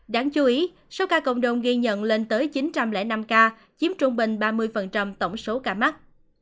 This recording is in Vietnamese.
đáng chú ý số ca cộng đồng ghi nhận lên tới chín trăm linh năm ca chiếm trung bình ba mươi tổng số ca mắc